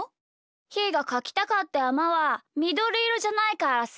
ひーがかきたかったやまはみどりいろじゃないからさ。